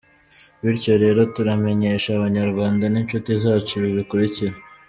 Bityo rero turamenyesha abanyarwanda n’incuti zacu ibi bikurikira :